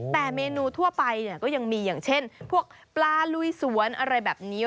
แต่เมนูทั่วไปเนี่ยก็ยังมีอย่างเช่นพวกปลาลุยสวนอะไรแบบนี้